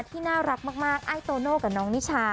ที่น่ารักมากไอ้โตโน่กับน้องนิชา